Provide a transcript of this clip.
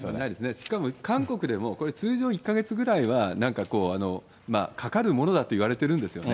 しかも韓国でも、これ、通常１か月ぐらいは、かかるものだといわれているんですよね。